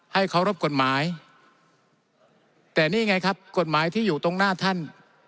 เคารพกฎหมายแต่นี่ไงครับกฎหมายที่อยู่ตรงหน้าท่าน